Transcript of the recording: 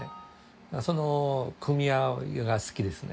その組み合わせが好きですね。